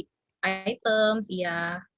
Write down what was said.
dekorasi items ya